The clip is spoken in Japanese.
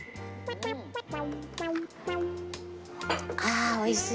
ああおいしい。